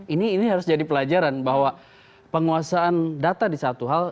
ini harus jadi pelajaran bahwa penguasaan data di satu hal